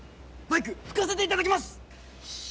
バイク拭かせていただきます！